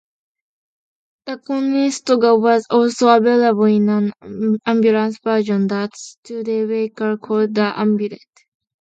The Conestoga was also available in an ambulance version that Studebaker called the Ambulet.